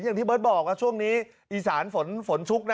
อย่างที่เบิร์ตบอกช่วงนี้อีสานฝนชุกนะ